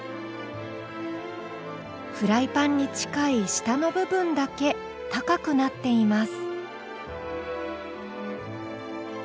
フライパンに近い下の部分だけ高くなっています。